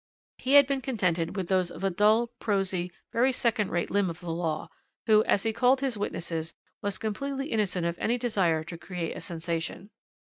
he had been contented with those of a dull, prosy, very second rate limb of the law, who, as he called his witnesses, was completely innocent of any desire to create a sensation.